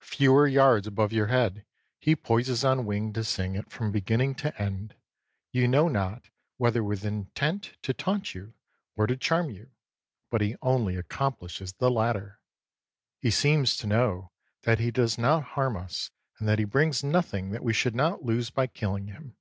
Fewer yards above your head he poises on wing to sing it from beginning to end, you know not whether with intent to taunt you or to charm you, but he only accomplishes the latter. He seems to know that he does not harm us and that he brings nothing that we should not lose by killing him.